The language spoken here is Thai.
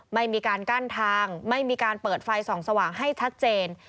ไม่มีการกั้นทางไม่มีการเปิดไฟส่องสว่างให้ชัดเจน